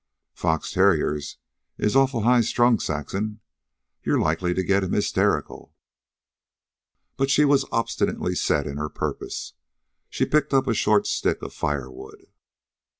"Fox terriers is awful highstrung, Saxon. You'll likely get him hysterical." But she was obstinately set in her purpose. She picked up a short stick of firewood.